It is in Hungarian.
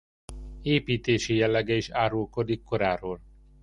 Építési jellege is árulkodik koráról.